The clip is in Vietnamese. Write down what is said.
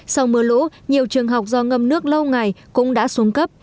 sau mưa lũ nhiều trường học do ngâm nước lâu ngày cũng đã xuống cấp